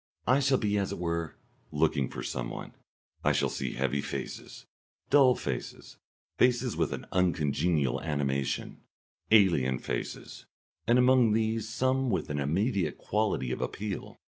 I shall be, as it were, looking for someone. I shall see heavy faces, dull faces, faces with an uncongenial animation, alien faces, and among these some with an immediate quality of appeal.